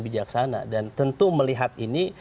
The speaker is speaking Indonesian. bijaksana dan tentu melihat ini